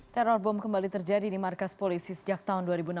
teror bom kembali terjadi di markas polisi sejak tahun dua ribu enam belas